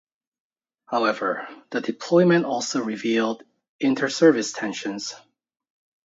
However, the deployment also revealed interservice tensions.